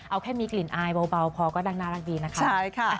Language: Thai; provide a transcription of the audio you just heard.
เอาแค่มีกลิ่นอายเบาพอก็นั่งน่ารักดีนะคะ